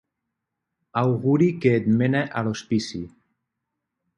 Auguri que et mena a l'hospici.